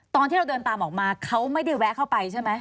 ตอนที่เราเดินตามออกมาเขาไม่ได้แวะเข้าไปใช่ไหม